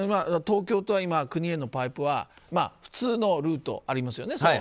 東京と国のパイプは普通のルートがありますよね。